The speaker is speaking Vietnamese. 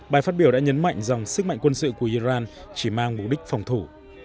bài phát biểu đã nhấn mạnh rằng sức mạnh quân sự của iran chỉ mang mục đích phòng thủ